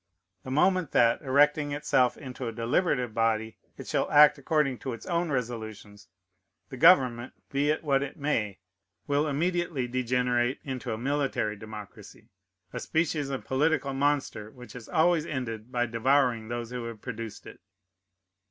The moment that, erecting itself into a deliberate body, it shall act according to its own resolutions, the government, be it what it may, will immediately degenerate into a military democracy: a species of political monster which has always ended by devouring those who have produced it.